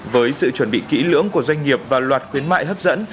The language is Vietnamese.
với sự chuẩn bị kỹ lưỡng của doanh nghiệp và loạt khuyến mại hấp dẫn